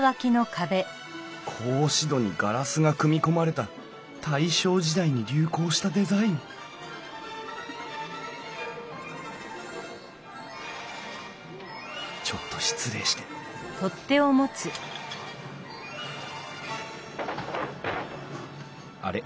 格子戸にガラスが組み込まれた大正時代に流行したデザインちょっと失礼してあれ？